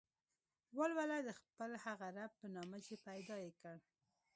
ولوله د خپل هغه رب په نامه چې پيدا يې کړ.